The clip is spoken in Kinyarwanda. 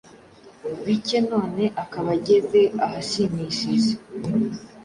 bike none akaba ageze ahashimishije.